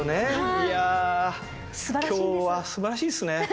いやぁ今日はすばらしいっすね。